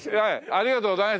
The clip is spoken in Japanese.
ありがとうございます。